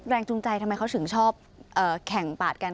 จูงใจทำไมเขาถึงชอบแข่งปาดกัน